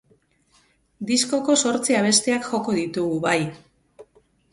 Diskoko zortzi abestiak joko ditugu, bai.